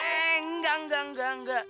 eh enggak enggak enggak enggak